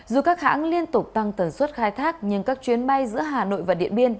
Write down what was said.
dù các hãng liên tục tăng tần suất khai thác nhưng các chuyến bay giữa hà nội và điện biên